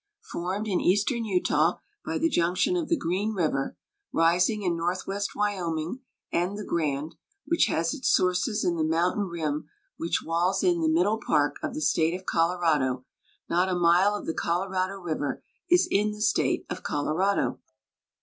Formed in eastern Utah by the junction of the Green River, rising in northwest Wyoming, and the Grand, which has its sources in the mountain rim which walls in the Middle Park of the State of Colorado, not a mile of the Colorado River is in the state of Colorado.